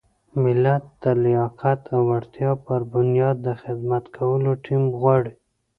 ملت د لیاقت او وړتیا پر بنیاد د خدمت کولو ټیم غواړي.